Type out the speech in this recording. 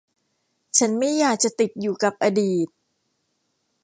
ฉันไม่อยากจะติดอยู่กับอดีต